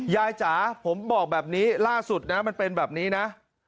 จ๋าผมบอกแบบนี้ล่าสุดนะมันเป็นแบบนี้นะ